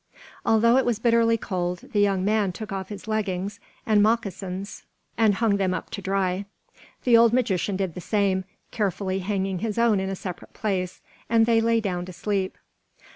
Although it was bitterly cold, the young man took off his leggings and moccasins and hung them up to dry. The old magician did the same, carefully hanging his own in a separate place, and they lay down to sleep.